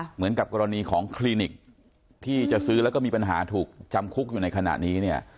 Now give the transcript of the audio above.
เหมือนกับกรณีของคลินิกที่จะซื้อแล้วก็มีปัญหาถูกจำคุกอยู่ในขณะนี้เนี่ย